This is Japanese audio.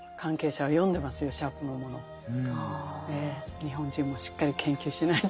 日本人もしっかり研究しないと。